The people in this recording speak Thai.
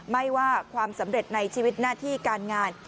ไม่ว่าความสำเร็จในชีวิตหน้าที่การงาน